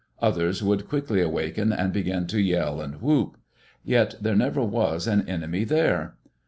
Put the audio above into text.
Others would quickly awaken and begin to yell and whoop. Yet there never was an enemy there.